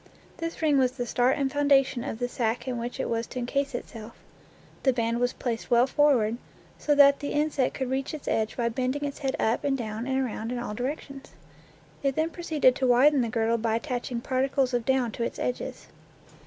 This ring was the start and founda tion of the sack in which it was to incase itself. The band was placed well forward, so that the in sect could reach its edge by bending its head up and down and around in all directions. Then it proceeded to widen the girdle by attaching particles of down to its edges.